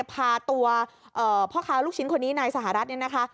พาตัวพ่อค้าลูกชิ้นคนนี้นายสหรัฐ